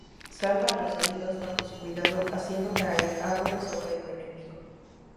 Salva a los heridos bajo su cuidado haciendo caer árboles sobre el enemigo.